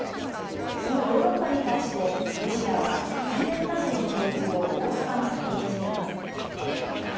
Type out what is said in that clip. そのヨーロッパに対してロシアは天然ガスの供給を大幅に削減しています。